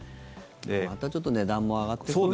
またちょっと値段も上がってくるのかな。